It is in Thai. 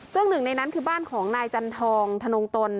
ซึ่งหนึ่งในนั้นคือบ้านของนายจันทองธนงตน